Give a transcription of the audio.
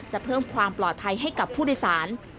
เพิ่มความปลอดภัยให้กับผู้โดยสาร